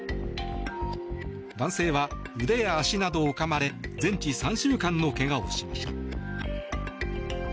男性は腕や足などをかまれ全治３週間のけがをしました。